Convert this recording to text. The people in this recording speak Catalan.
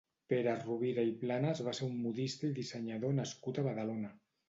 Pere Rovira i Planas va ser un modista i dissenyador nascut a Badalona.